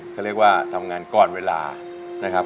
เขาเรียกว่าทำงานก่อนเวลานะครับ